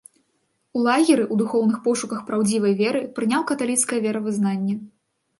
У лагеры, у духоўных пошуках праўдзівай веры, прыняў каталіцкае веравызнанне.